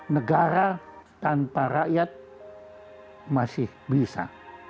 negara tanpa rakyat masih bisa